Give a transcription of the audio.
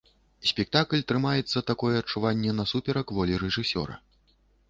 Спектакль трымаецца, такое адчуванне, насуперак волі рэжысёра.